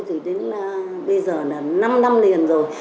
từ đến bây giờ là năm năm liền rồi